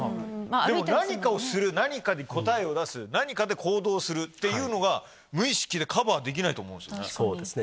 でも何かをする何かに答えを出す何かで行動するっていうのが無意識でカバーできないと思うんですよね。